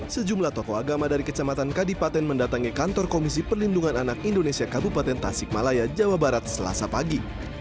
sejumlah tokoh agama dari kecamatan kadipaten mendatangi kantor komisi perlindungan anak indonesia kabupaten tasik malaya jawa barat selasa pagi